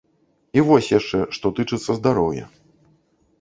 І вось яшчэ што тычыцца здароўя.